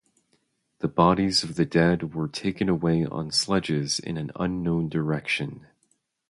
The bodies of the dead were taken away on sledges in an unknown direction.